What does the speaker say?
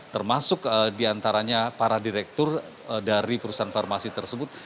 termasuk diantaranya para direktur dari perusahaan farmasi tersebut